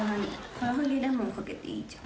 唐揚げレモンかけていいじゃん。